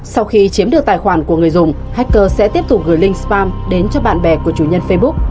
sau khi chiếm được tài khoản của người dùng hacker sẽ tiếp tục gửi linkpam đến cho bạn bè của chủ nhân facebook